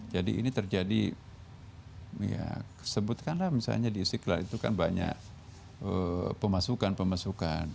jadi ini terjadi ya sebutkanlah misalnya di istiqlal itu kan banyak pemasukan pemasukan